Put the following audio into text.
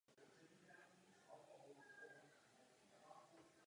Maják sloužil nepřetržitě až do konce druhé světové války.